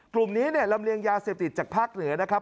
กลุ่มนี้เนี่ยลำเลียงยาเสพติดจากภาคเหนือนะครับ